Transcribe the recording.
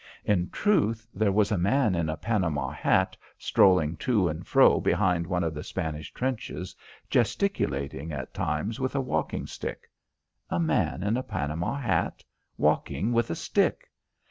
In truth, there was a man in a Panama hat strolling to and fro behind one of the Spanish trenches, gesticulating at times with a walking stick. A man in a Panama hat, walking with a stick!